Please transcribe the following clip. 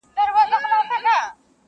یو له بله سره بېل سو په کلونو-